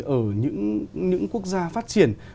ở những quốc gia phát triển